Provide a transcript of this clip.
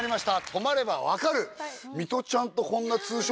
『泊まればわかる！』。